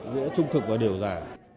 giữa trung thực và điều giả